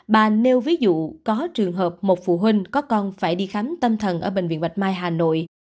bà nêu ví dụ có trường hợp một phụ huynh có con phải đi khám tâm thần ở bệnh viện bạch mai hà nội